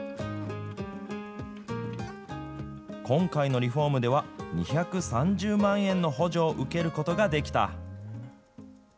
今回のリフォームでは、２３０万円の補助を受けることができた。